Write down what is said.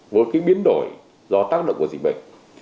với biến đổi do tác động của dịch bệnh